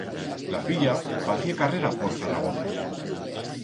La filla facié carrera por Zaragoza.